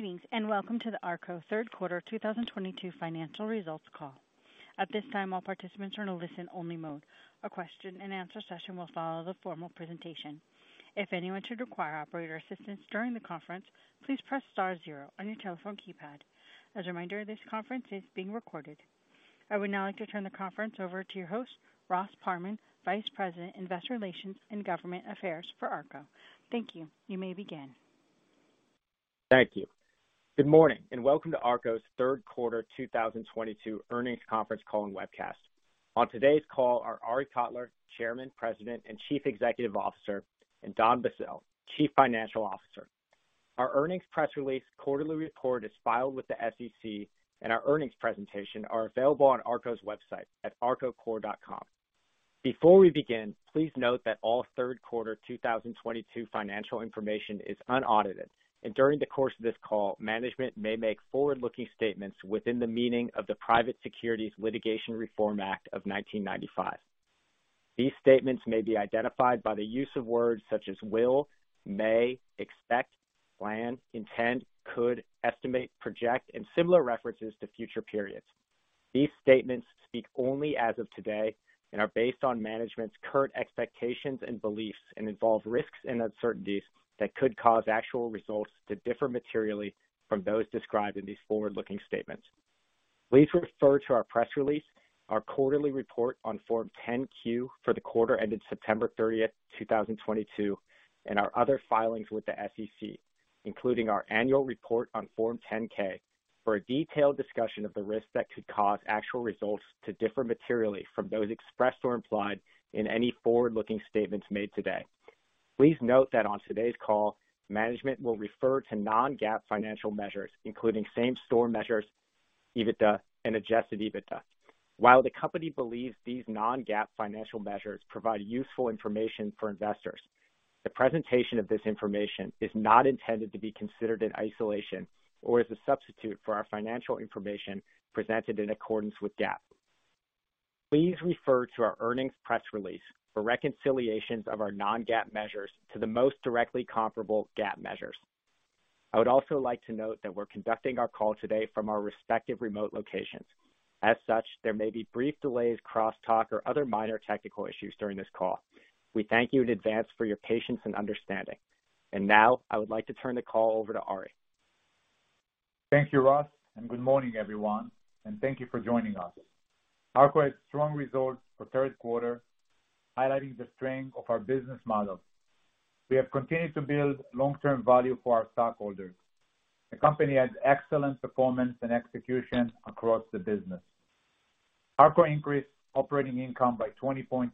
Greetings, welcome to the ARKO third quarter 2022 financial results call. At this time, all participants are in a listen-only mode. A question and answer session will follow the formal presentation. If anyone should require operator assistance during the conference, please press star zero on your telephone keypad. As a reminder, this conference is being recorded. I would now like to turn the conference over to your host, Ross Parman, Vice President, Investor Relations and Government Affairs for ARKO. Thank you. You may begin. Thank you. Good morning, welcome to ARKO's third quarter 2022 earnings conference call and webcast. On today's call are Arie Kotler, Chairman, President, and Chief Executive Officer, Don Bassell, Chief Financial Officer. Our earnings press release quarterly report is filed with the SEC, our earnings presentation are available on ARKO's website at arkocorp.com. Before we begin, please note that all third quarter 2022 financial information is unaudited. During the course of this call, management may make forward-looking statements within the meaning of the Private Securities Litigation Reform Act of 1995. These statements may be identified by the use of words such as will, may, expect, plan, intend, could, estimate, project, and similar references to future periods. These statements speak only as of today and are based on management's current expectations and beliefs and involve risks and uncertainties that could cause actual results to differ materially from those described in these forward-looking statements. Please refer to our press release, our quarterly report on Form 10-Q for the quarter ended September 30th, 2022, and our other filings with the SEC, including our annual report on Form 10-K, for a detailed discussion of the risks that could cause actual results to differ materially from those expressed or implied in any forward-looking statements made today. Please note that on today's call, management will refer to non-GAAP financial measures, including same-store measures, EBITDA, and adjusted EBITDA. While the company believes these non-GAAP financial measures provide useful information for investors, the presentation of this information is not intended to be considered in isolation or as a substitute for our financial information presented in accordance with GAAP. Please refer to our earnings press release for reconciliations of our non-GAAP measures to the most directly comparable GAAP measures. I would also like to note that we're conducting our call today from our respective remote locations. As such, there may be brief delays, crosstalk, or other minor technical issues during this call. We thank you in advance for your patience and understanding. Now, I would like to turn the call over to Arie. Thank you, Ross, and good morning, everyone, and thank you for joining us. ARKO had strong results for third quarter, highlighting the strength of our business model. We have continued to build long-term value for our stockholders. The company had excellent performance and execution across the business. ARKO increased operating income by 20.1%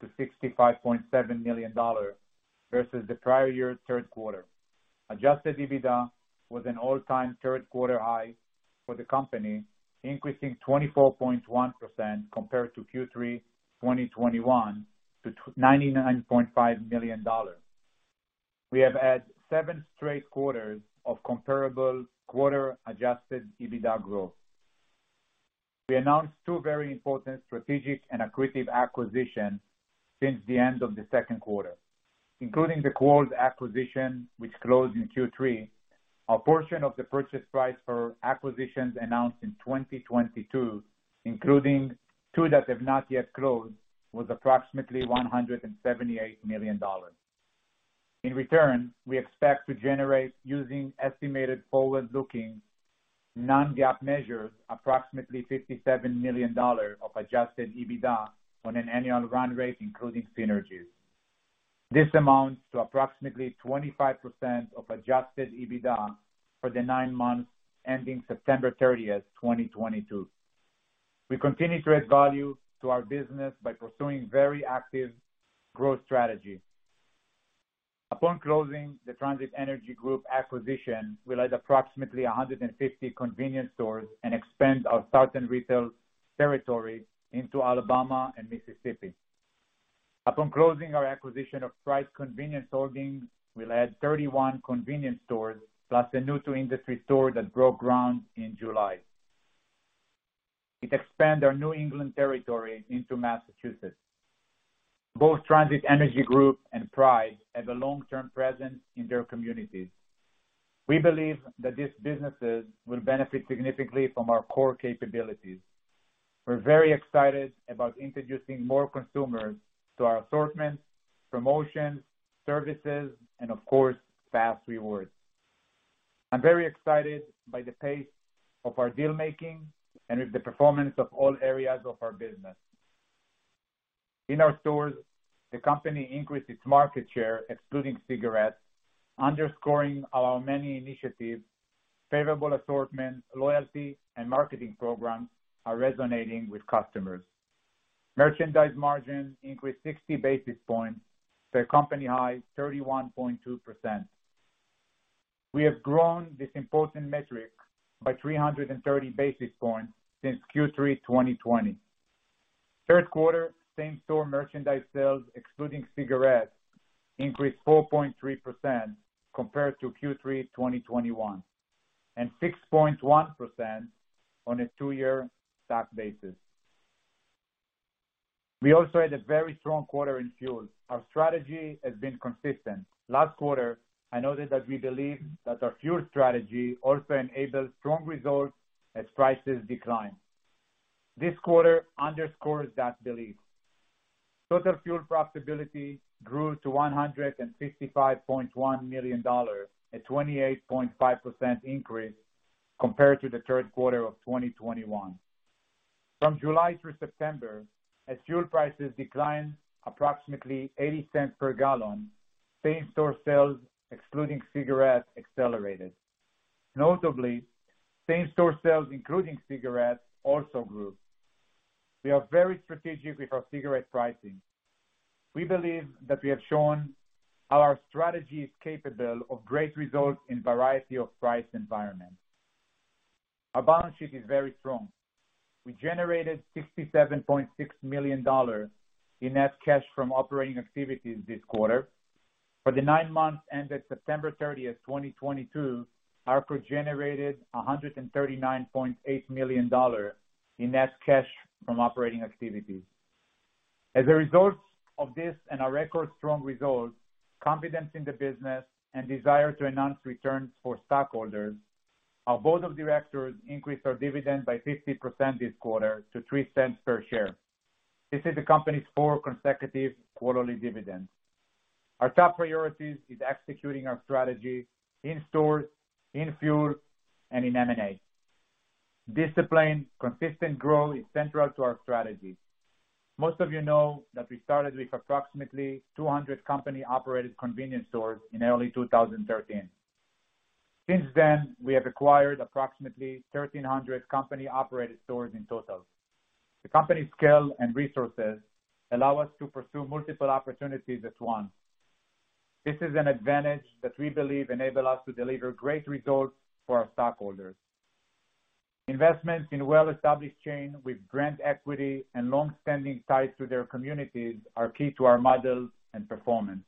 to $65.7 million versus the prior year third quarter. Adjusted EBITDA was an all-time third quarter high for the company, increasing 24.1% compared to Q3 2021 to $99.5 million. We have had seven straight quarters of comparable quarter adjusted EBITDA growth. We announced two very important strategic and accretive acquisitions since the end of the second quarter, including the Quarles acquisition, which closed in Q3. A portion of the purchase price for acquisitions announced in 2022, including two that have not yet closed, was approximately $178 million. In return, we expect to generate, using estimated forward-looking non-GAAP measures, approximately $57 million of adjusted EBITDA on an annual run rate, including synergies. This amounts to approximately 25% of adjusted EBITDA for the nine months ending September 30, 2022. We continue to add value to our business by pursuing very active growth strategies. Upon closing the Transit Energy Group acquisition, we'll add approximately 150 convenience stores and expand our Thorntons retail territory into Alabama and Mississippi. Upon closing our acquisition of Pride Convenience Holdings, LLC, we'll add 31 convenience stores plus a new to industry store that broke ground in July. It expand our New England territory into Massachusetts. Both Transit Energy Group and Pride have a long-term presence in their communities. We believe that these businesses will benefit significantly from our core capabilities. We're very excited about introducing more consumers to our assortment, promotions, services, and of course, fas REWARDS. I'm very excited by the pace of our deal-making and with the performance of all areas of our business. In our stores, the company increased its market share, excluding cigarettes, underscoring our many initiatives. Favorable assortment, loyalty, and marketing programs are resonating with customers. Merchandise margins increased 60 basis points to a company-high 31.2%. We have grown this important metric by 330 basis points since Q3 2020. Third quarter same-store merchandise sales, excluding cigarettes, increased 4.3% compared to Q3 2021, and 6.1% on a two-year stack basis. We also had a very strong quarter in fuel. Our strategy has been consistent. Last quarter, I noted that we believe that our fuel strategy also enables strong results as prices decline. This quarter underscores that belief. Total fuel profitability grew to $155.1 million, a 28.5% increase compared to the third quarter of 2021. From July through September, as fuel prices declined approximately $0.80 per gallon, same-store sales, excluding cigarettes, accelerated. Notably, same-store sales, including cigarettes, also grew. We are very strategic with our cigarette pricing. We believe that we have shown how our strategy is capable of great results in variety of price environments. Our balance sheet is very strong. We generated $67.6 million in net cash from operating activities this quarter. For the nine months ended September 30, 2022, ARKO generated $139.8 million in net cash from operating activities. As a result of this and our record strong results, confidence in the business, and desire to enhance returns for stockholders, our board of directors increased our dividend by 50% this quarter to $0.03 per share. This is the company's fourth consecutive quarterly dividend. Our top priorities is executing our strategy in stores, in fuel, and in M&A. Disciplined, consistent growth is central to our strategy. Most of you know that we started with approximately 200 company-operated convenience stores in early 2013. Since then, we have acquired approximately 1,300 company-operated stores in total. The company's scale and resources allow us to pursue multiple opportunities at once. This is an advantage that we believe enable us to deliver great results for our stockholders. Investments in well-established chain with brand equity and long-standing ties to their communities are key to our model and performance.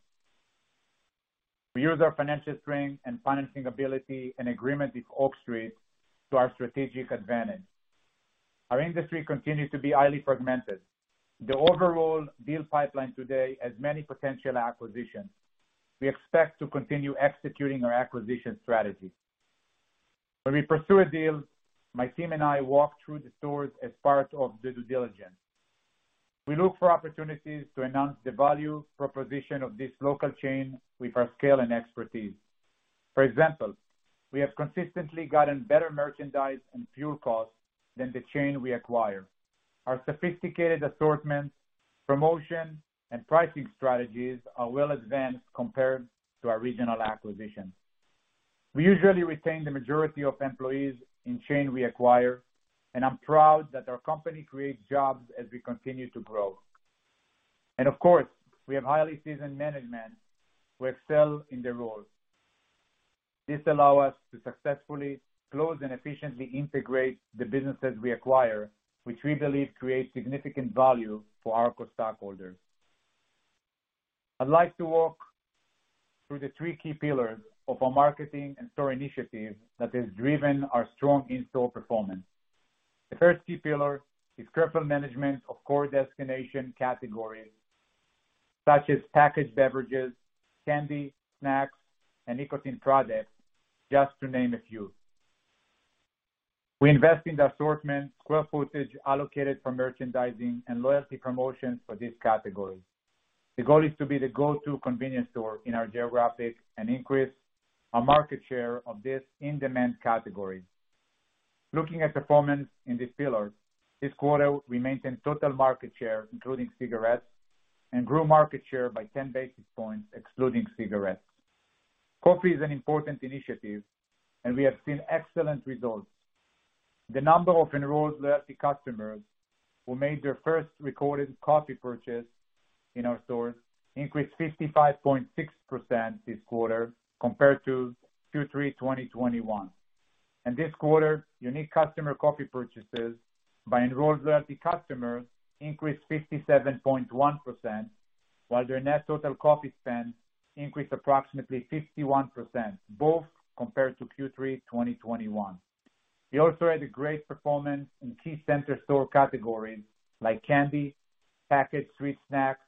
We use our financial strength and financing ability and agreement with Oak Street to our strategic advantage. Our industry continues to be highly fragmented. The overall deal pipeline today has many potential acquisitions. We expect to continue executing our acquisition strategy. When we pursue a deal, my team and I walk through the stores as part of due diligence. We look for opportunities to enhance the value proposition of this local chain with our scale and expertise. For example, we have consistently gotten better merchandise and fuel costs than the chain we acquire. Our sophisticated assortment, promotion, and pricing strategies are well advanced compared to our regional acquisitions. We usually retain the majority of employees in chain we acquire, and I'm proud that our company creates jobs as we continue to grow. Of course, we have highly seasoned management who excel in their roles. This allow us to successfully close and efficiently integrate the businesses we acquire, which we believe creates significant value for ARKO stockholders. I'd like to walk through the three key pillars of our marketing and store initiatives that has driven our strong in-store performance. The first key pillar is careful management of core destination categories such as packaged beverages, candy, snacks, and nicotine products, just to name a few. We invest in the assortment, square footage allocated for merchandising, and loyalty promotions for these categories. The goal is to be the go-to convenience store in our geographic and increase our market share of these in-demand categories. Looking at performance in this pillar, this quarter, we maintained total market share, including cigarettes, and grew market share by 10 basis points, excluding cigarettes. Coffee is an important initiative, and we have seen excellent results. The number of enrolled loyalty customers who made their first recorded coffee purchase in our stores increased 55.6% this quarter compared to Q3 2021. This quarter, unique customer coffee purchases by enrolled loyalty customers increased 57.1%, while their net total coffee spend increased approximately 51%, both compared to Q3 2021. We also had a great performance in key center store categories like candy, packaged sweet snacks,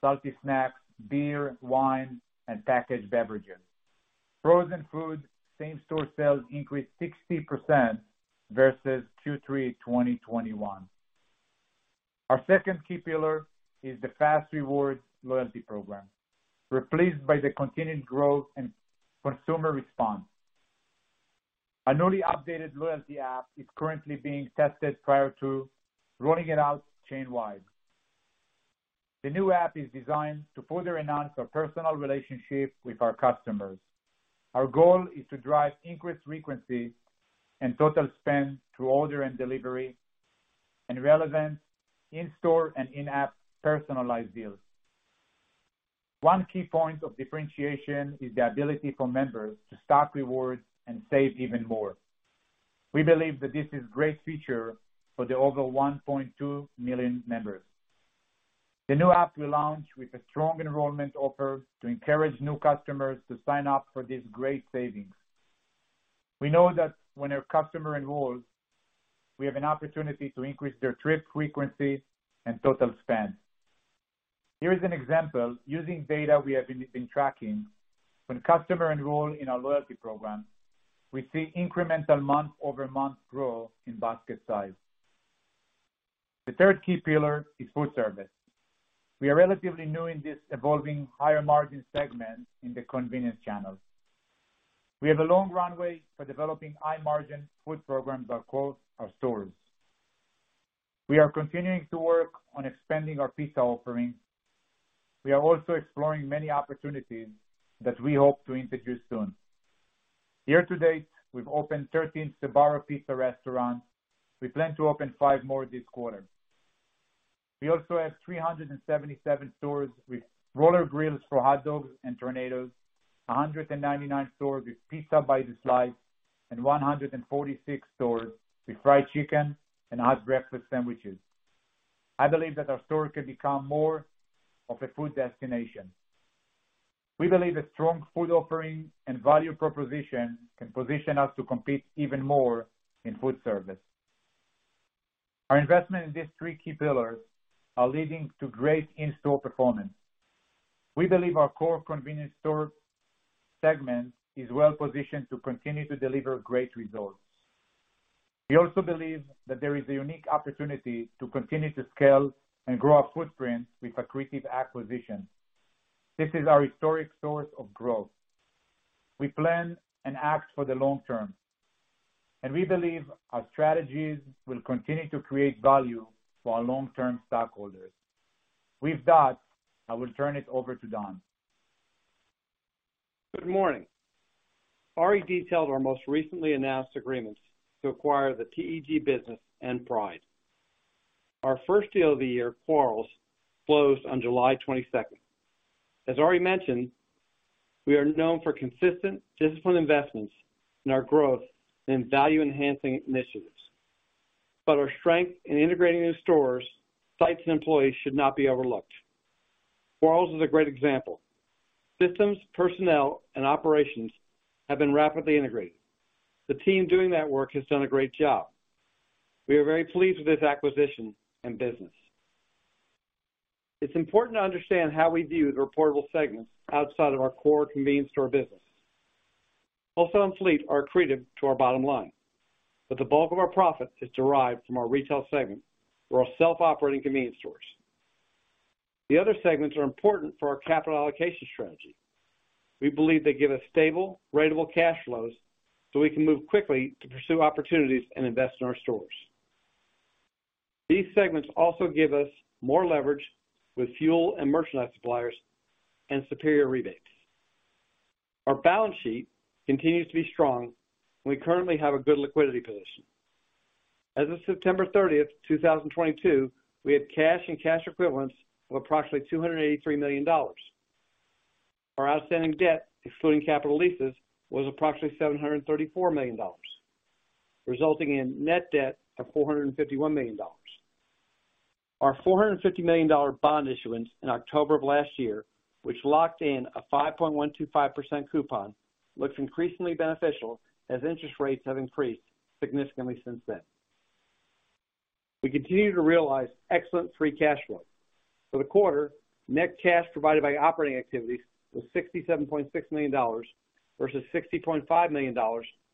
salty snacks, beer, wine, and packaged beverages. Frozen food same-store sales increased 60% versus Q3 2021. Our second key pillar is the fas REWARDS loyalty program. We're pleased by the continued growth and consumer response. A newly updated loyalty app is currently being tested prior to rolling it out chain-wide. The new app is designed to further enhance our personal relationship with our customers. Our goal is to drive increased frequency and total spend through order and delivery and relevant in-store and in-app personalized deals. One key point of differentiation is the ability for members to stack rewards and save even more. We believe that this is great feature for the over 1.2 million members. The new app will launch with a strong enrollment offer to encourage new customers to sign up for these great savings. We know that when a customer enrolls, we have an opportunity to increase their trip frequency and total spend. Here is an example using data we have been tracking. When customers enroll in our loyalty program, we see incremental month-over-month growth in basket size. The third key pillar is food service. We are relatively new in this evolving higher margin segment in the convenience channels. We have a long runway for developing high margin food programs across our stores. We are continuing to work on expanding our pizza offering. We are also exploring many opportunities that we hope to introduce soon. Year to date, we've opened 13 Sbarro pizza restaurants. We plan to open five more this quarter. We also have 377 stores with roller grills for hot dogs and tornadoes, 199 stores with pizza by the slice, and 146 stores with fried chicken and hot breakfast sandwiches. I believe that our stores can become more of a food destination. We believe a strong food offering and value proposition can position us to compete even more in food service. Our investment in these three key pillars are leading to great in-store performance. We believe our core convenience store segment is well positioned to continue to deliver great results. We also believe that there is a unique opportunity to continue to scale and grow our footprint with accretive acquisitions. This is our historic source of growth. We plan and act for the long term, and we believe our strategies will continue to create value for our long-term stockholders. With that, I will turn it over to Don. Good morning. Arie detailed our most recently announced agreements to acquire the TEG business and Pride. Our first deal of the year, Quarles, closed on July 22nd. As Arie mentioned, we are known for consistent, disciplined investments in our growth and value-enhancing initiatives. Our strength in integrating new stores, sites, and employees should not be overlooked. Quarles is a great example. Systems, personnel, and operations have been rapidly integrated. The team doing that work has done a great job. We are very pleased with this acquisition and business. It's important to understand how we view the reportable segments outside of our core convenience store business. Wholesale and fleet are accretive to our bottom line, but the bulk of our profits is derived from our retail segment or our self-operating convenience stores. The other segments are important for our capital allocation strategy. We believe they give us stable ratable cash flows so we can move quickly to pursue opportunities and invest in our stores. These segments also give us more leverage with fuel and merchandise suppliers and superior rebates. Our balance sheet continues to be strong, and I currently have a good liquidity position. As of September 30th, 2022, we had cash and cash equivalents of approximately $283 million. Our outstanding debt, excluding capital leases, was approximately $734 million, resulting in net debt of $451 million. Our $450 million bond issuance in October of last year, which locked in a 5.125% coupon, looks increasingly beneficial as interest rates have increased significantly since then. We continue to realize excellent free cash flow. For the quarter, net cash provided by operating activities was $67.6 million versus $60.5 million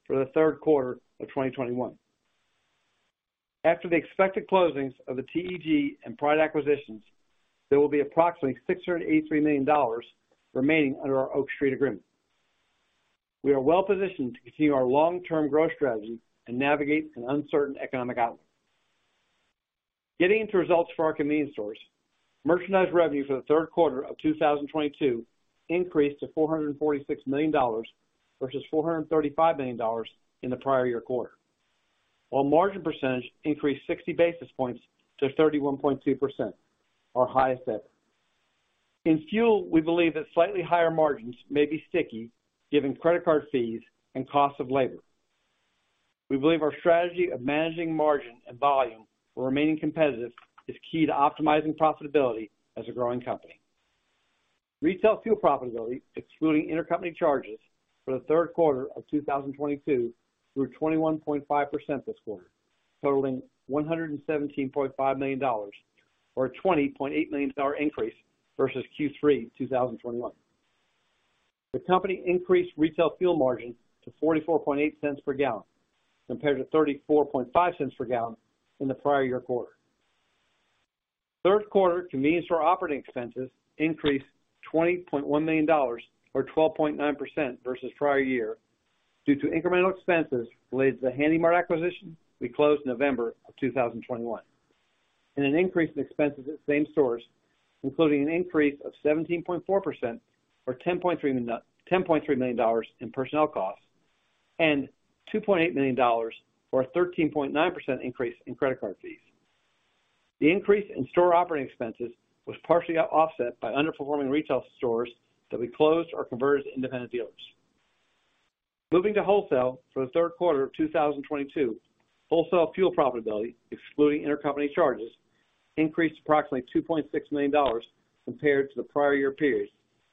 for the third quarter of 2021. After the expected closings of the TEG and Pride acquisitions, there will be approximately $683 million remaining under our Oak Street agreement. We are well positioned to continue our long-term growth strategy and navigate an uncertain economic outlook. Getting into results for our convenience stores, merchandise revenue for the third quarter of 2022 increased to $446 million versus $435 million in the prior year quarter, while margin percentage increased 60 basis points to 31.2%, our highest ever. In fuel, we believe that slightly higher margins may be sticky given credit card fees and cost of labor. We believe our strategy of managing margin and volume while remaining competitive is key to optimizing profitability as a growing company. Retail fuel profitability, excluding intercompany charges for the third quarter of 2022, grew 21.5% this quarter, totaling $117.5 million or a $20.8 million increase versus Q3 2021. The company increased retail fuel margin to $0.448 per gallon compared to $0.345 per gallon in the prior year quarter. Third quarter convenience store operating expenses increased $20.1 million or 12.9% versus prior year due to incremental expenses related to the Handy Mart acquisition we closed November of 2021, and an increase in expenses at the same stores, including an increase of 17.4% or $10.3 million in personnel costs and $2.8 million or a 13.9% increase in credit card fees. The increase in store operating expenses was partially offset by underperforming retail stores that we closed or converted to independent dealers. Moving to wholesale for the third quarter of 2022, wholesale fuel profitability, excluding intercompany charges increased approximately $2.6 million compared to the prior year periods,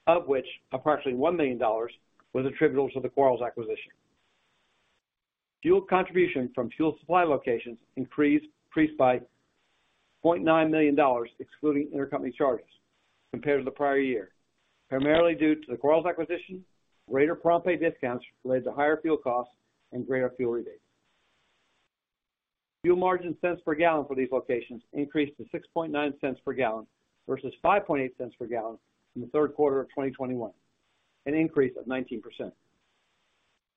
of which approximately $1 million was attributable to the Quarles acquisition. Fuel contribution from fuel supply locations increased by $0.9 million excluding intercompany charges compared to the prior year, primarily due to the Quarles acquisition, greater prompt pay discounts related to higher fuel costs, and greater fuel rebates. Fuel margin cents per gallon for these locations increased to $0.069 per gallon versus $0.058 per gallon from the third quarter of 2021, an increase of 19%.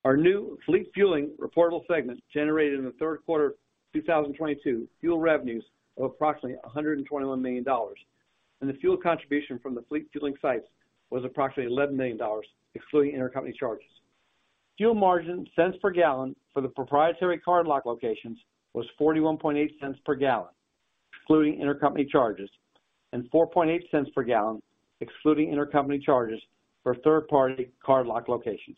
Our new fleet fueling reportable segment generated in the third quarter 2022 fuel revenues of approximately $121 million, and the fuel contribution from the fleet fueling sites was approximately $11 million, excluding intercompany charges. Fuel margin cents per gallon for the proprietary cardlock locations was $0.418 per gallon, excluding intercompany charges, and $0.048 per gallon, excluding intercompany charges, for third-party cardlock locations.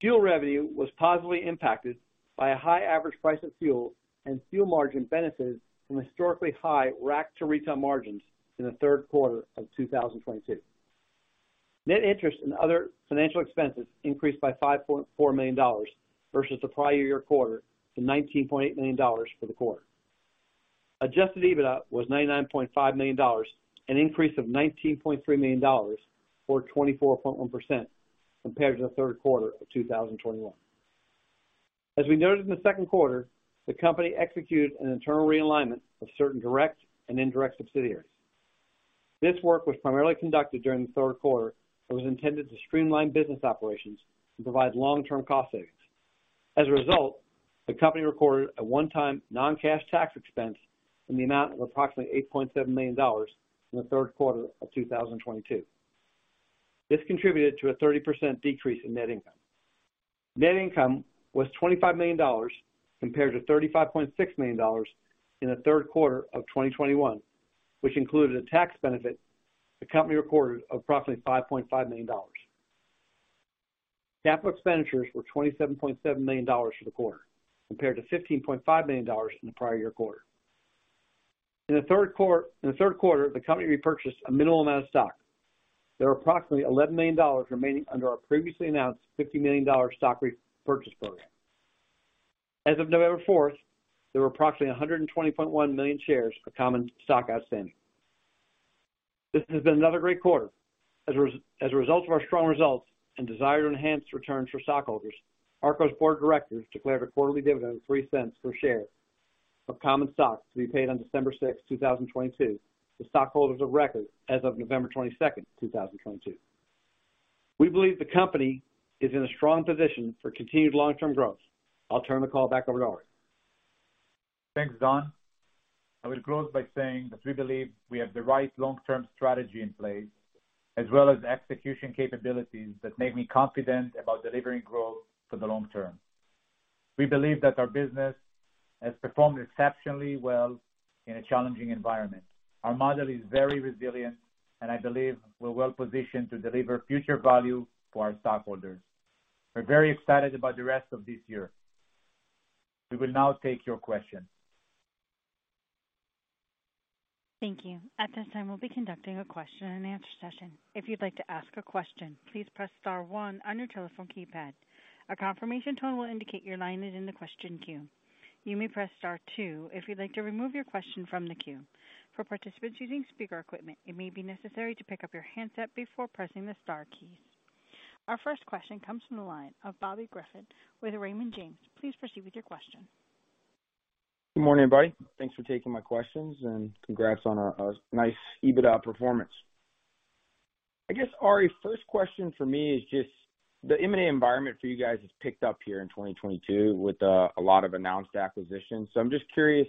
Fuel revenue was positively impacted by a high average price of fuel and fuel margin benefits from historically high rack-to-retail margins in the third quarter of 2022. Net interest and other financial expenses increased by $5.4 million versus the prior year quarter to $19.8 million for the quarter. Adjusted EBITDA was $99.5 million, an increase of $19.3 million, or 24.1%, compared to the third quarter of 2021. As we noted in the second quarter, the company executed an internal realignment of certain direct and indirect subsidiaries. This work was primarily conducted during the third quarter and was intended to streamline business operations and provide long-term cost savings. The company recorded a one-time non-cash tax expense in the amount of approximately $8.7 million in the third quarter of 2022. This contributed to a 30% decrease in net income. Net income was $25 million compared to $35.6 million in the third quarter of 2021, which included a tax benefit the company recorded of approximately $5.5 million. Capital expenditures were $27.7 million for the quarter, compared to $15.5 million in the prior year quarter. In the third quarter, the company repurchased a minimal amount of stock. There are approximately $11 million remaining under our previously announced $50 million stock repurchase program. There were approximately 120.1 million shares of common stock outstanding. This has been another great quarter. ARKO's Board of Directors declared a quarterly dividend of $0.03 per share of common stock to be paid on December 6, 2022, to stockholders of record as of November 22, 2022. We believe the company is in a strong position for continued long-term growth. I'll turn the call back over to Arie. Thanks, Don. I will close by saying that we believe we have the right long-term strategy in place, as well as execution capabilities that make me confident about delivering growth for the long term. We believe that our business has performed exceptionally well in a challenging environment. Our model is very resilient, and I believe we're well positioned to deliver future value for our stockholders. We're very excited about the rest of this year. We will now take your questions. Thank you. At this time, we'll be conducting a question and answer session. If you'd like to ask a question, please press star one on your telephone keypad. A confirmation tone will indicate your line is in the question queue. You may press star two if you'd like to remove your question from the queue. For participants using speaker equipment, it may be necessary to pick up your handset before pressing the star keys. Our first question comes from the line of Bobby Griffin with Raymond James. Please proceed with your question. Good morning, everybody. Thanks for taking my questions. Congrats on a nice EBITDA performance. I guess, Arie, first question for me is just the M&A environment for you guys has picked up here in 2022 with a lot of announced acquisitions. I'm just curious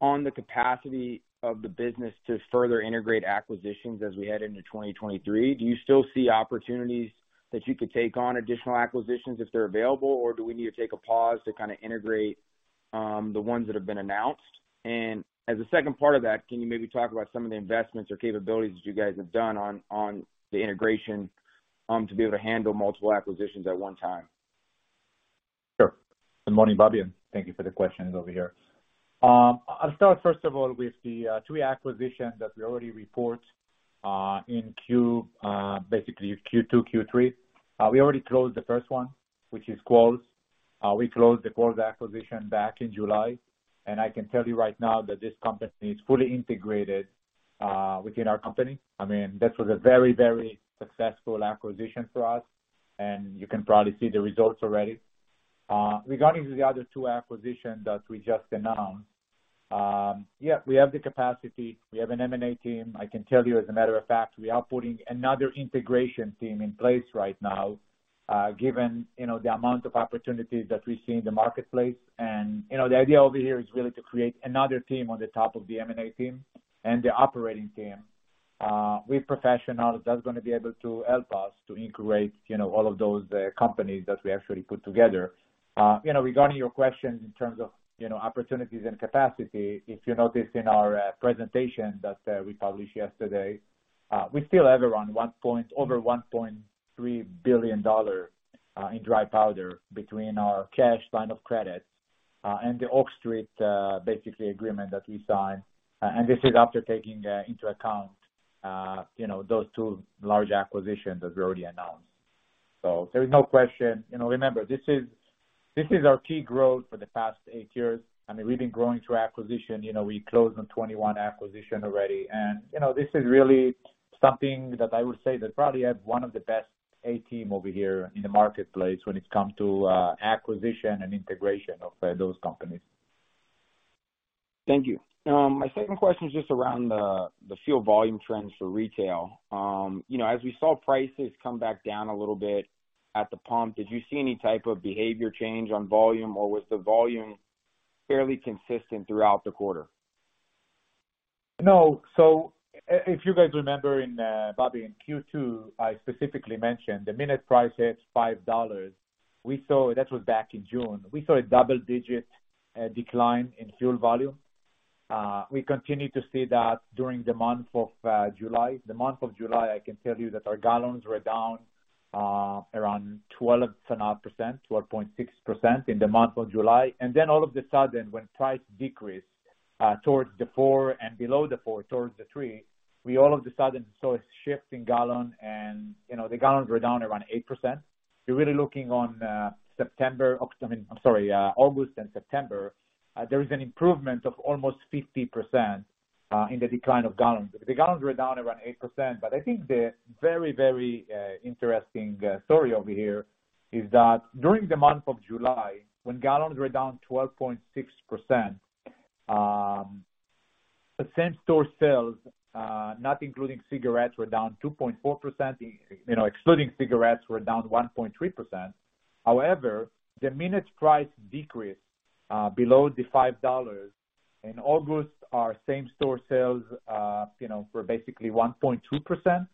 on the capacity of the business to further integrate acquisitions as we head into 2023. Do you still see opportunities that you could take on additional acquisitions if they're available, or do we need to take a pause to integrate the ones that have been announced? As a second part of that, can you maybe talk about some of the investments or capabilities that you guys have done on the integration to be able to handle multiple acquisitions at one time? Sure. Good morning, Bobby. Thank you for the questions over here. I'll start, first of all, with the three acquisitions that we already report in basically Q2, Q3. We already closed the first one, which is Quarles. We closed the Quarles acquisition back in July, and I can tell you right now that this company is fully integrated within our company. This was a very successful acquisition for us, and you can probably see the results already. Regarding the other two acquisitions that we just announced, yes, we have the capacity. We have an M&A team. I can tell you, as a matter of fact, we are putting another integration team in place right now, given the amount of opportunities that we see in the marketplace. The idea over here is really to create another team on the top of the M&A team and the operating team with professionals that's going to be able to help us to integrate all of those companies that we actually put together. Regarding your question in terms of opportunities and capacity, if you noticed in our presentation that we published yesterday. We still have around over $1.3 billion in dry powder between our cash line of credit and the Oak Street agreement that we signed. This is after taking into account those two large acquisitions that we already announced. There is no question. Remember, this is our key growth for the past eight years. We've been growing through acquisition. We closed on 21 acquisitions already. This is really something that I would say that probably have one of the best A-team over here in the marketplace when it comes to acquisition and integration of those companies. Thank you. My second question is just around the fuel volume trends for retail. As we saw prices come back down a little bit at the pump, did you see any type of behavior change on volume, or was the volume fairly consistent throughout the quarter? No. If you guys remember, Bobby, in Q2, I specifically mentioned the minute price hits $5, that was back in June. We saw a double-digit decline in fuel volume. We continued to see that during the month of July. The month of July, I can tell you that our gallons were down around 12.5%, 12.6% in the month of July. All of a sudden, when price decreased towards the four and below the four, towards the three, we all of a sudden saw a shift in gallon, and the gallons were down around 8%. You're really looking on August and September, there is an improvement of almost 50% in the decline of gallons. The gallons were down around 8%, I think the very interesting story over here is that during the month of July, when gallons were down 12.6%, same-store sales, not including cigarettes, were down 2.4%, excluding cigarettes were down 1.3%. However, the minute price decreased below the $5, in August, our same-store sales were basically 1.2%,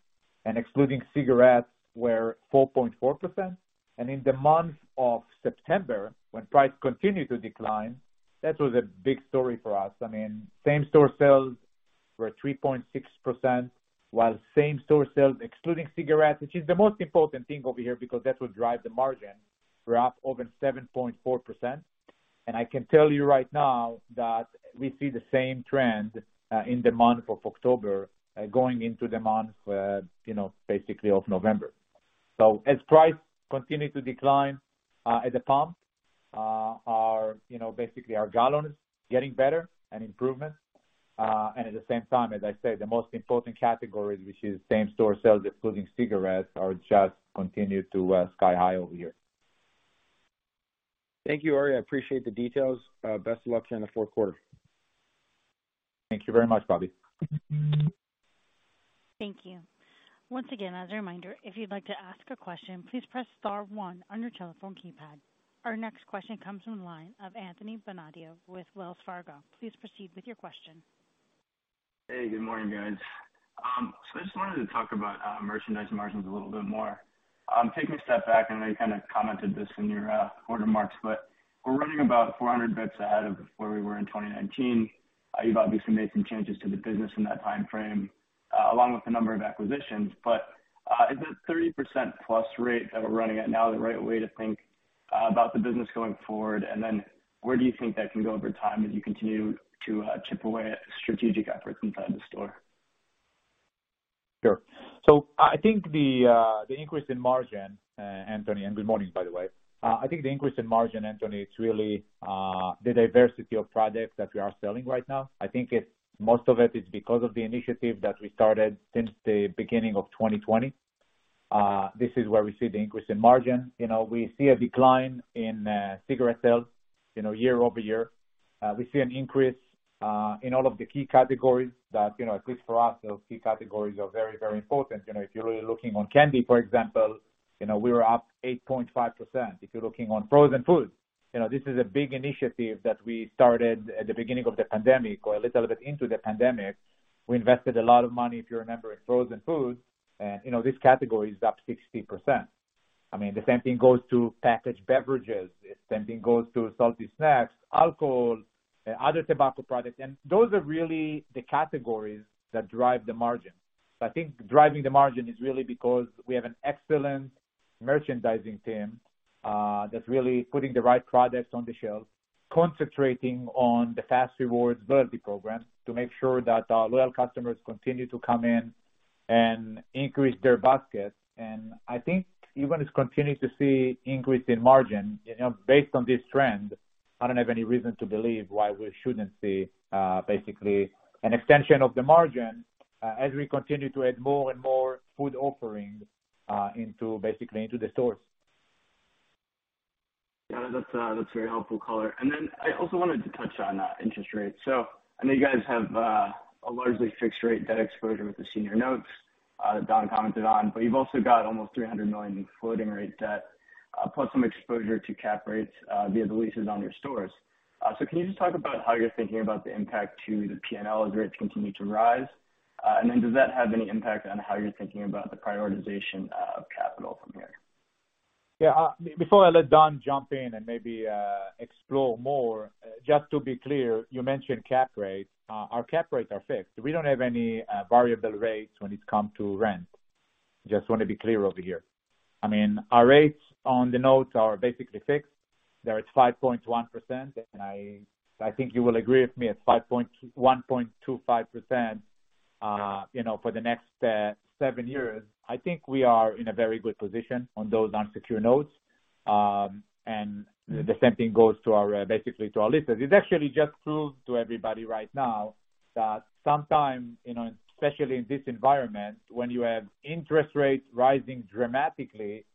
excluding cigarettes were 4.4%. In the month of September, when price continued to decline, that was a big story for us. Same-store sales were 3.6%, while same-store sales excluding cigarettes, which is the most important thing over here because that will drive the margin, were up over 7.4%. I can tell you right now that we see the same trend in the month of October going into the month of November. As price continue to decline at the pump, basically our gallon is getting better and improvement. At the same time, as I said, the most important categories, which is same-store sales excluding cigarettes, are just continue to sky high over here. Thank you, Ari. I appreciate the details. Best of luck in the fourth quarter. Thank you very much, Bobby. Thank you. Once again, as a reminder, if you'd like to ask a question, please press star one on your telephone keypad. Our next question comes from the line of Anthony Bonadio with Wells Fargo. Please proceed with your question. Hey, good morning, guys. I just wanted to talk about merchandise margins a little bit more. Taking a step back, I know you kind of commented this in your quarter marks, we're running about 400 basis points ahead of where we were in 2019. You've obviously made some changes to the business in that timeframe, along with a number of acquisitions. Is that 30%+ rate that we're running at now the right way to think about the business going forward? Where do you think that can go over time as you continue to chip away at strategic efforts inside the store? Sure. I think the increase in margin, Anthony, and good morning, by the way. I think the increase in margin, Anthony, it's really the diversity of products that we are selling right now. I think most of it is because of the initiative that we started since the beginning of 2020. This is where we see the increase in margin. We see a decline in cigarette sales year-over-year. We see an increase in all of the key categories that, at least for us, those key categories are very important. If you're really looking on candy, for example, we were up 8.5%. If you're looking on frozen foods, this is a big initiative that we started at the beginning of the pandemic or a little bit into the pandemic. We invested a lot of money, if you remember, in frozen foods, and this category is up 60%. The same thing goes to packaged beverages, the same thing goes to salty snacks, alcohol, other tobacco products, and those are really the categories that drive the margin. I think driving the margin is really because we have an excellent merchandising team that's really putting the right products on the shelves, concentrating on the fas REWARDS loyalty program to make sure that our loyal customers continue to come in and increase their basket. I think you're going to continue to see increase in margin. Based on this trend, I don't have any reason to believe why we shouldn't see basically an extension of the margin as we continue to add more and more food offerings basically into the stores. Yeah, that's very helpful color. I also wanted to touch on interest rates. I know you guys have a largely fixed-rate debt exposure with the senior notes that Don commented on, but you've also got almost $300 million in floating rate debt, plus some exposure to cap rates via the leases on your stores. Can you just talk about how you're thinking about the impact to the P&L as rates continue to rise? Does that have any impact on how you're thinking about the prioritization of capital from here? Yeah. Before I let Don jump in and maybe explore more, just to be clear, you mentioned cap rates. Our cap rates are fixed. We don't have any variable rates when it come to rent. Just want to be clear over here. Our rates on the notes are basically fixed. They're at 5.1%, and I think you will agree with me, at 1.25% for the next 7 years. I think we are in a very good position on those unsecured notes. The same thing goes basically to our leases. It actually just proves to everybody right now that sometimes, especially in this environment, when you have interest rates rising dramatically,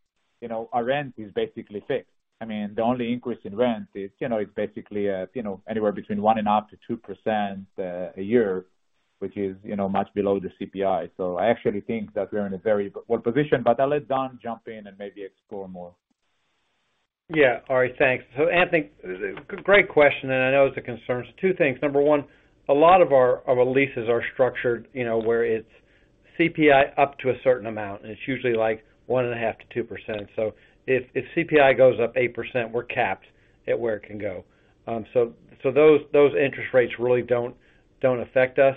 our rent is basically fixed. The only increase in rent is basically anywhere between one and a half to 2% a year, which is much below the CPI. I actually think that we're in a very good position, but I'll let Don jump in and maybe explore more. Yeah. All right, thanks. Anthony, great question, and I know it's a concern. Two things. Number one, a lot of our leases are structured where it's CPI up to a certain amount, and it's usually like one and a half to 2%. If CPI goes up 8%, we're capped at where it can go. Those interest rates really don't affect us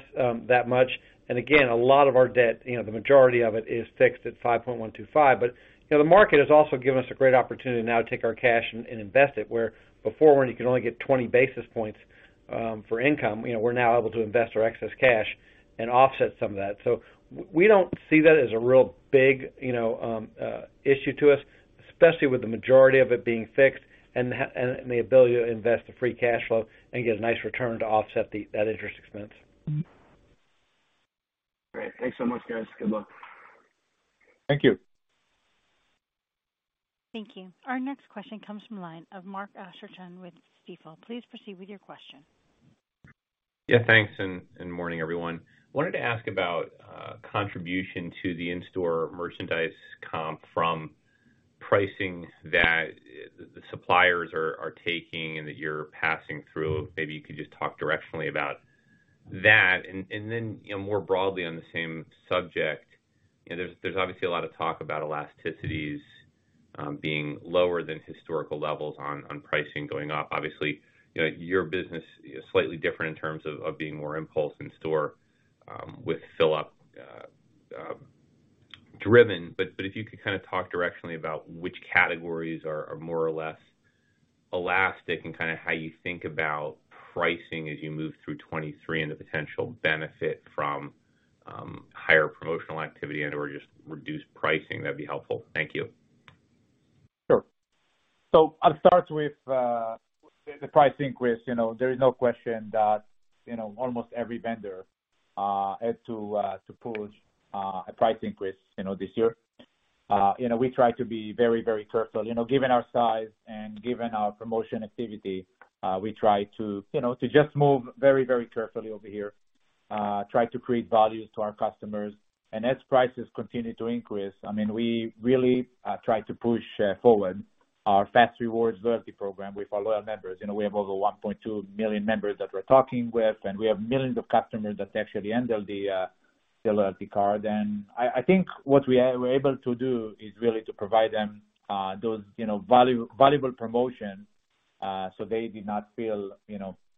that much. Again, a lot of our debt, the majority of it, is fixed at 5.125. The market has also given us a great opportunity now to take our cash and invest it, where before when you could only get 20 basis points for income, we're now able to invest our excess cash and offset some of that. We don't see that as a real big issue to us, especially with the majority of it being fixed and the ability to invest the free cash flow and get a nice return to offset that interest expense. Great. Thanks so much, guys. Good luck. Thank you. Thank you. Our next question comes from the line of Mark Astrachan with Stifel. Please proceed with your question. Thanks, and morning, everyone. I wanted to ask about contribution to the in-store merchandise comp from pricing that the suppliers are taking and that you're passing through. Maybe you could just talk directionally about that. More broadly on the same subject, there's obviously a lot of talk about elasticities being lower than historical levels on pricing going up. Obviously, your business is slightly different in terms of being more impulse in-store with fill-up driven. If you could kind of talk directionally about which categories are more or less elastic and kind of how you think about pricing as you move through 2023 and the potential benefit from higher promotional activity and/or just reduced pricing, that would be helpful. Thank you. Sure. I'll start with the price increase. There is no question that almost every vendor had to push a price increase this year. We try to be very, very careful. Given our size and given our promotion activity, we try to just move very, very carefully over here, try to create value to our customers. As prices continue to increase, we really try to push forward our fas REWARDS loyalty program with our loyal members. We have over 1.2 million members that we're talking with, and we have millions of customers that actually handle the loyalty card. I think what we're able to do is really to provide them those valuable promotions, so they did not feel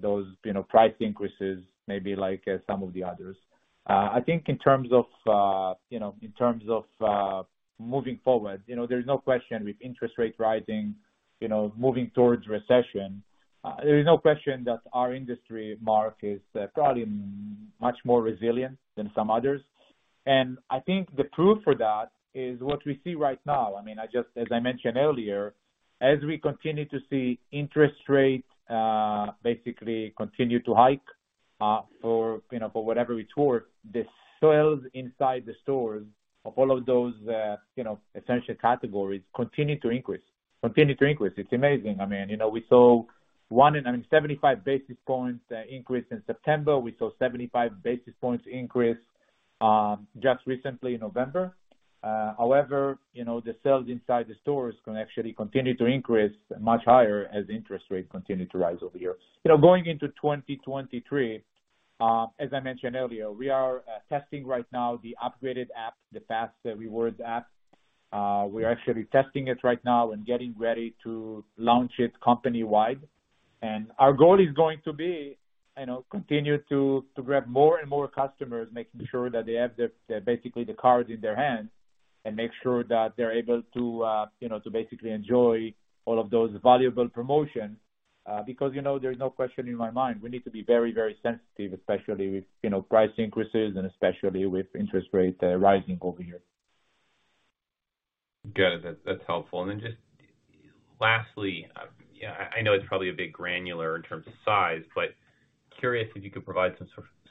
those price increases, maybe like some of the others. I think in terms of moving forward, there's no question with interest rates rising, moving towards recession, there is no question that our industry, Mark, is probably much more resilient than some others. I think the proof for that is what we see right now. As I mentioned earlier, as we continue to see interest rates basically continue to hike for whatever it's worth, the sales inside the stores of all of those essential categories continue to increase. It's amazing. We saw 75 basis points increase in September. We saw 75 basis points increase just recently in November. However, the sales inside the stores can actually continue to increase much higher as interest rates continue to rise over here. Going into 2023, as I mentioned earlier, we are testing right now the upgraded app, the fas REWARDS app. We're actually testing it right now and getting ready to launch it company-wide. Our goal is going to be continue to grab more and more customers, making sure that they have basically the card in their hands and make sure that they're able to basically enjoy all of those valuable promotions. There's no question in my mind, we need to be very, very sensitive, especially with price increases and especially with interest rates rising over here. Got it. That's helpful. Just lastly, I know it's probably a bit granular in terms of size, but curious if you could provide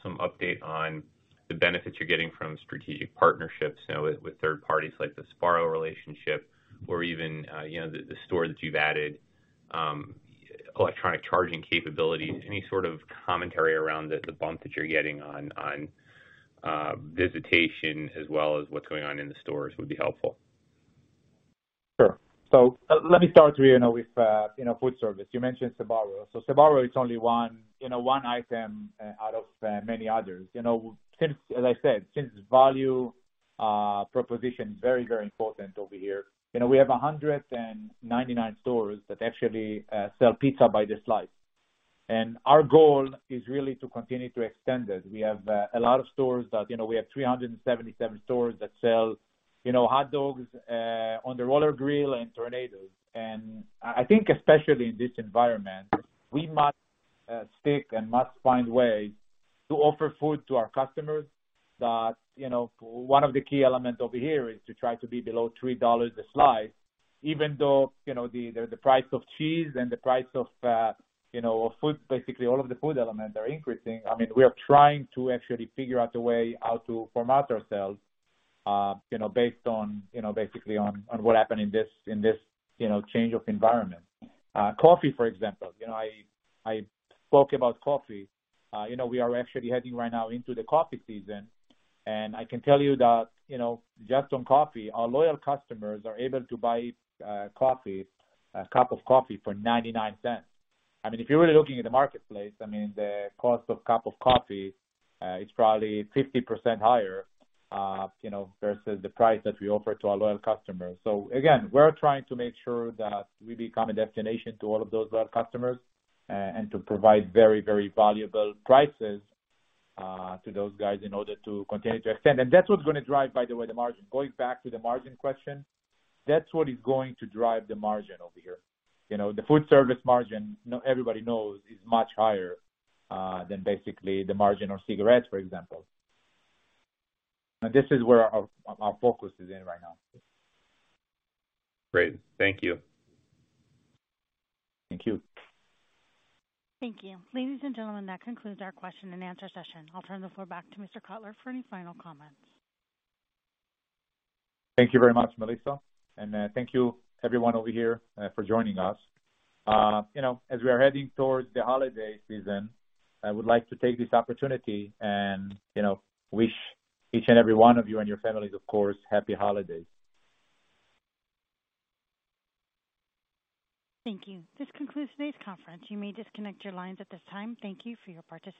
some update on the benefits you're getting from strategic partnerships now with third parties like the Sbarro relationship or even the store that you've added, electronic charging capabilities. Any sort of commentary around the bump that you're getting on visitation as well as what's going on in the stores would be helpful. Sure. Let me start with food service. You mentioned Sbarro. Sbarro is only one item out of many others. As I said, since value proposition is very, very important over here, we have 199 stores that actually sell pizza by the slice. Our goal is really to continue to extend it. We have 377 stores that sell hot dogs on the roller grill and tornadoes. I think especially in this environment, we must stick and must find ways to offer food to our customers that one of the key elements over here is to try to be below $3 a slice, even though the price of cheese and the price of food, basically all of the food elements, are increasing. We are trying to actually figure out a way how to format ourselves based on basically on what happened in this change of environment. Coffee, for example. I spoke about coffee. We are actually heading right now into the coffee season. I can tell you that just on coffee, our loyal customers are able to buy a cup of coffee for $0.99. If you're really looking at the marketplace, the cost of a cup of coffee is probably 50% higher versus the price that we offer to our loyal customers. Again, we're trying to make sure that we become a destination to all of those loyal customers and to provide very, very valuable prices to those guys in order to continue to expand. That's what's going to drive, by the way, the margin. Going back to the margin question, that's what is going to drive the margin over here. The food service margin, everybody knows, is much higher than basically the margin on cigarettes, for example. This is where our focus is in right now. Great. Thank you. Thank you. Thank you. Ladies and gentlemen, that concludes our question and answer session. I'll turn the floor back to Mr. Kotler for any final comments. Thank you very much, Melissa. Thank you everyone over here for joining us. As we are heading towards the holiday season, I would like to take this opportunity and wish each and every one of you and your families, of course, Happy Holidays. Thank you. This concludes today's conference. You may disconnect your lines at this time. Thank you for your participation.